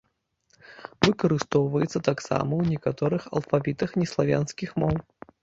Выкарыстоўваецца таксама ў некаторых алфавітах неславянскіх моў.